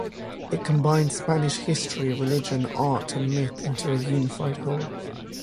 It combines Spanish history, religion, art, and myth into a unified whole.